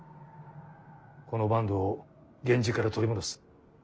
この坂東を源氏から取り戻す。